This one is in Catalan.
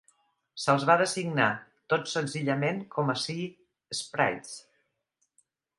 Se'ls va designar tots senzillament com a Sea Sprites.